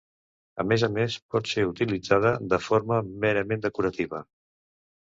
A més a més pot ser utilitzada de forma merament decorativa.